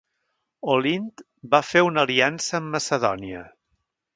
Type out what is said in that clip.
Olint va fer una aliança amb Macedònia.